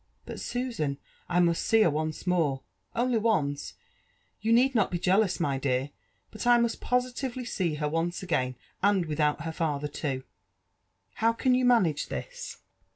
But, Susan, I must see her once more— only once ; you need not be jealous, my dear, but I must positively see her once again, and without iier father (oo. How can you manage this?"